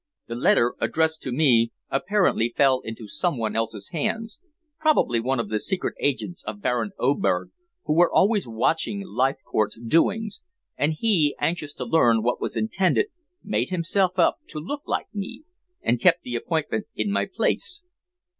The letter addressed to me apparently fell into someone else's hands probably one of the secret agents of Baron Oberg, who were always watching Leithcourt's doings, and he, anxious to learn what was intended, made himself up to look like me, and kept the appointment in my place.